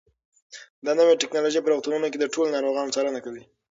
دا نوې ټیکنالوژي په روغتونونو کې د ټولو ناروغانو څارنه کوي.